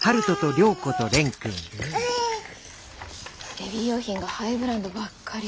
ベビー用品がハイブランドばっかり。